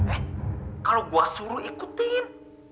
eh kalau gue suruh ikutin